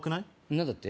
何だって？